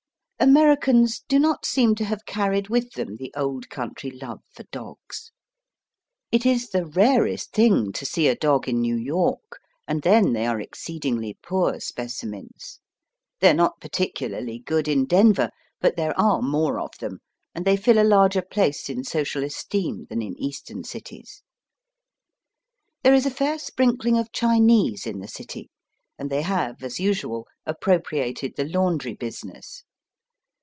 Americans do not seem to have carried with them the old country love for dogs. It is the rarest thing to see a dog in New York, and then they are exceedingly poor specimens. They are not , particularly good in Denver, but there are more of them, and they fill a larger place in social esteem than in Eastern cities. There is a fair sprinkling of Chinese in the city, and they have, as usual, appropriated the laundry business.